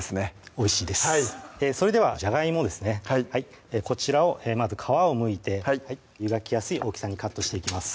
おいしいですそれではじゃがいもですねこちらをまず皮をむいて湯がきやすい大きさにカットしていきます